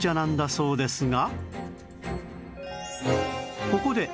そうですか。